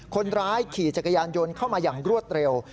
คนร้ายขี่จักรยานยนต์เข้ามาอย่างรวดเร็ว